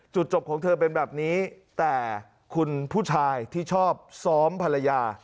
จบของเธอเป็นแบบนี้แต่คุณผู้ชายที่ชอบซ้อมภรรยา